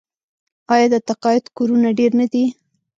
آیا د تقاعد کورونه ډیر نه دي؟